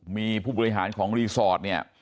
มีผู้บริหารของรีสอร์ทเนี่ย